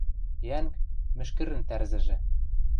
Йӓнг — мӹшкӹрӹн тӓрзӹжӹ...